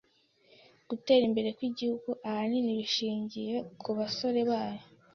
Gutera imbere kwigihugu ahanini bishingiye kubasore bayo.